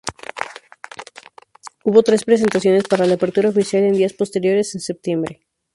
Hubo tres presentaciones para la apertura oficial, en días posteriores en septiembre.